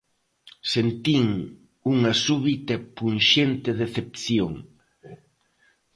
Sentín unha súbita e punxente decepción.